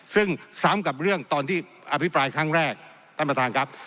ซึ่งซ้ำกับเรื่องตอนที่อภิปรายครั้งแรกท่านประธานครับ